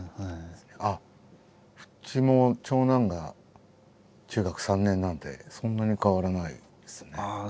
あっうちも長男が中学３年なんでそんなに変わらないですね。